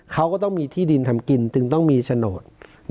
เขาก็ต้องมีที่ดินทำกินจึงต้องมีโฉนด